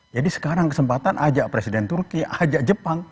jadi sekarang kesempatan ajak presiden turki ajak jepang